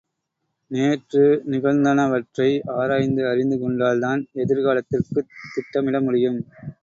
நேற்று நிகழ்ந்தனவற்றை ஆராய்ந்து அறிந்து கொண்டால்தான் எதிர்காலத்திற்குத் திட்டமிட முடியும்.